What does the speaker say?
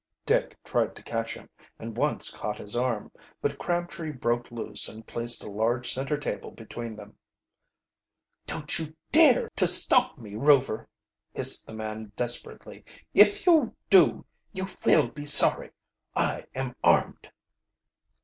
Dick tried to catch him, and once caught his arm. But Crabtree broke loose and placed a large center table between them. "Don't dare to stop me, Rover," hissed the man desperately. "If you do you will be sorry. I am armed."